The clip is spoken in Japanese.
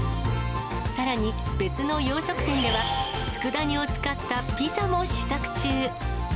さらに、別の洋食店では、つくだ煮を使ったピザも試作中。